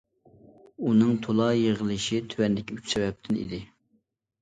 ئۇنىڭ تولا يىغلىشى تۆۋەندىكى ئۈچ سەدەپتىن ئىدى.